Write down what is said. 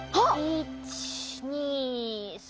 １２３。